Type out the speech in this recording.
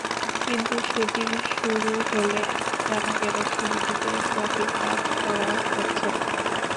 কিন্তু শুটিং শুরু হলে জানা গেল, ছবিটিতে পপির কাজ করা হচ্ছে না।